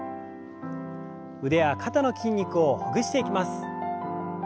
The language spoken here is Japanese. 腕や肩の筋肉をほぐしていきます。